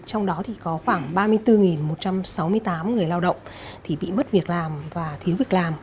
trong đó thì có khoảng ba mươi bốn một trăm sáu mươi tám người lao động thì bị mất việc làm và thiếu việc làm